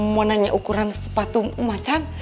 mau nanya ukuran sepatu ma can